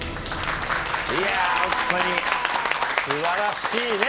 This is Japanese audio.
いやホントに素晴らしいね